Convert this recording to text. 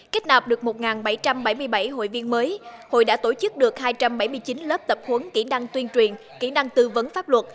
kết nạp được một bảy trăm bảy mươi bảy hội viên mới hội đã tổ chức được hai trăm bảy mươi chín lớp tập huấn kỹ năng tuyên truyền kỹ năng tư vấn pháp luật